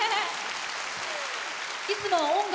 いつも音楽